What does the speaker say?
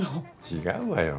違うわよ。